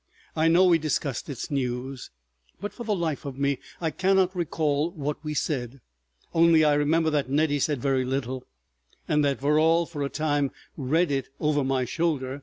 I know we discussed its news, but for the life of me I cannot recall what we said, only I remember that Nettie said very little, and that Verrall for a time read it over my shoulder.